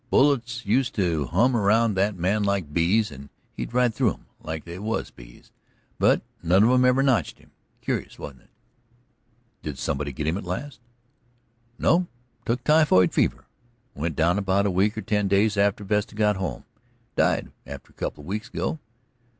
Bullets used to hum around that man like bees, and he'd ride through 'em like they was bees, but none of 'em ever notched him. Curious, wasn't it?" "Did somebody get him at last?" "No, he took typhoid fever. He took down about a week or ten days after Vesta got home. He died about a couple of week ago.